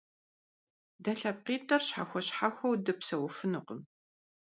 Дэ лъэпкъитӀыр щхьэхуэ-щхьэхуэу дыпсэуфынукъым.